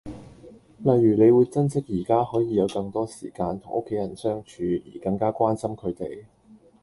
例如你會珍惜宜家可以有更多時間同屋企人相處而更加關心佢哋